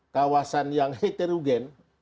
kawasan yang heterogen